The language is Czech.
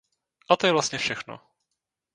A to je vlastně všechno.